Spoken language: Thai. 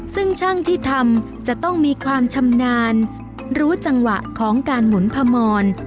ซึ่งช่างที่ทำจะต้องมีความชำนาญรู้จังหวะของการหมุนพมร